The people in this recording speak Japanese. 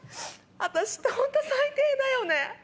私って本当最低だよね。